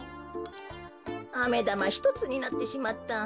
あめだまひとつになってしまった。